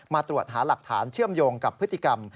มาตรวจหาหลักฐานเชื่อมโยงกับพฤติกรรม